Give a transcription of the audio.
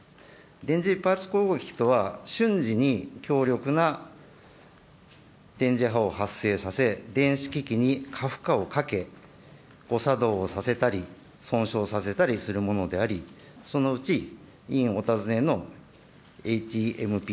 電磁パルス攻撃とは、瞬時に強力な電磁波を発生させ、電気機器に過負荷をかけ、誤作動をさせたり、損傷させたりするものであり、そのうち、委員お尋ねのＨＥＭＰ